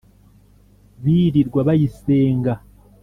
birirwa bayisenga